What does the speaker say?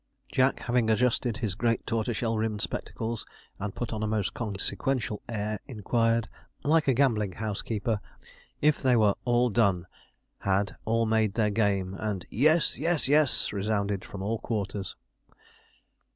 Jack having adjusted his great tortoiseshell rimmed spectacles, and put on a most consequential air, inquired, like a gambling house keeper, if they were 'All done' had all 'made their game?' And 'Yes! yes! yes!' resounded from all quarters.